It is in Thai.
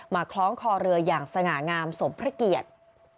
คล้องคอเรืออย่างสง่างามสมพระเกียรติ